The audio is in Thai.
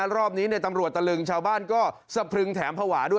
รอบนี้ตำรวจตะลึงชาวบ้านก็สะพรึงแถมภาวะด้วย